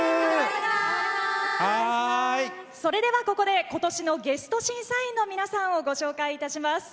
それではここで今年のゲスト審査員の皆さんをご紹介します。